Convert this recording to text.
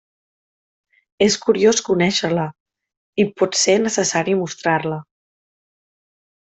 És curiós conèixer-la, i pot ser necessari mostrar-la.